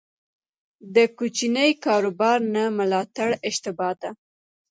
د کوچني کاروبار نه ملاتړ اشتباه ده.